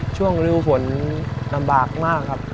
ช่วงริ้วฝนลำบากมากครับ